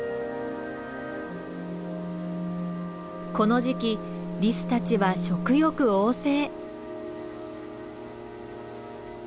この時期リスたちは食欲旺盛。